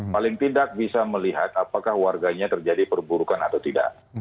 paling tidak bisa melihat apakah warganya terjadi perburukan atau tidak